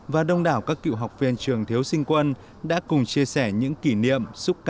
và đông đảo các cựu học viên trường thiếu sinh quân đã cùng chia sẻ những kỷ niệm